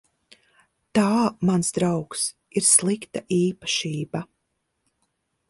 Tā, mans draugs, ir slikta īpašība.